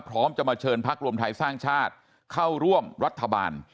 พร้อมจะมาเชิญพักรวมไทยสร้างชาติเข้าร่วมรัฐบาล